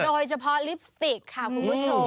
โดยเฉพาะลิปสติกค่ะคุณผู้ชม